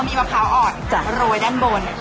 มีมะพร้าวอ่อนโรยด้านบน